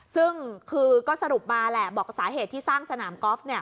ซึ่งคือก็สรุปมาแหละบอกสาเหตุที่สร้างสนามกอล์ฟเนี่ย